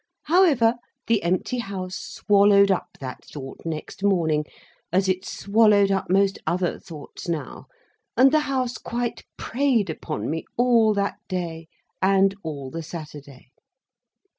However, the empty House swallowed up that thought next morning, as it swallowed up most other thoughts now, and the House quite preyed upon me all that day, and all the Saturday.